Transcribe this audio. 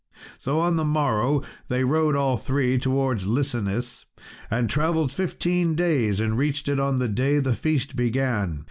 So on the morrow they rode all three towards Listeniss, and travelled fifteen days, and reached it on the day the feast began.